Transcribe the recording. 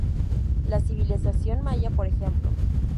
La civilización Maya, por ejemplo.